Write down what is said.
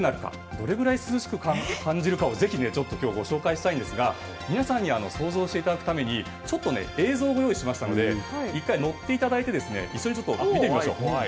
どれぐらい涼しく感じるかを今日ぜひご紹介したいんですが皆さんに想像していただくために映像をご用意しましたので１回、乗っていただいて一緒に見てみましょう。